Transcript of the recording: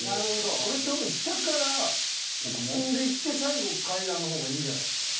俺多分下から積んでいって最後階段の方がいいんじゃないですか？